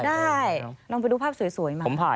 ได้ลองไปดูภาพสวยมา